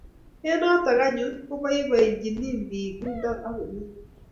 Eng" notok anyun kobaibaitchini piik yundok ako meny